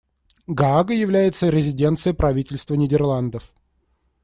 Гаага является резиденцией правительства Нидерландов.